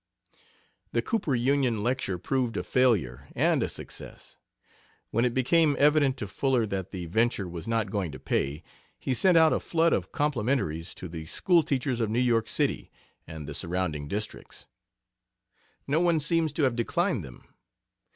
The Cooper Union lecture proved a failure, and a success. When it became evident to Fuller that the venture was not going to pay, he sent out a flood of complimentaries to the school teachers of New York City and the surrounding districts. No one seems to have declined them.